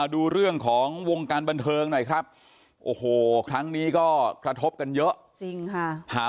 ดูเรื่องของวงการบันเทิงหน่อยครับครั้งนี้ก็กระทบกันเยอะ